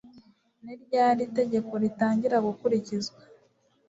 ni ryari itegeko ritangiragukurikizwa